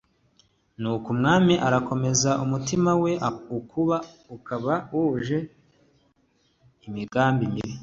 nuko umwami arakomeza, umutima we ukaba wuje imigambi mibi